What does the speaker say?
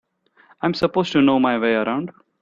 I'm supposed to know my way around.